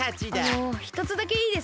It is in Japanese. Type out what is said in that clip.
あのひとつだけいいですか？